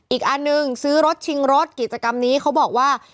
อีกอันนึงซื้อรถชิงรถกิจกรรมนี้เขาบอกว่า